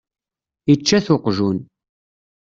Ičča-t uqjun.